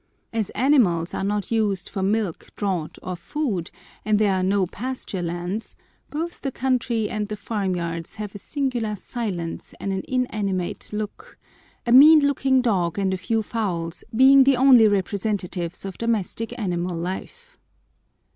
As animals are not used for milk, draught, or food, and there are no pasture lands, both the country and the farm yards have a singular silence and an inanimate look; a mean looking dog and a few fowls being the only representatives of domestic animal life.